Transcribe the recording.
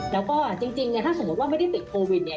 และก็จริงถ้าสมมุติกันไปเมื่อวันต่อวินไถม์